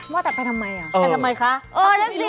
ว่าแต่ไปทำไม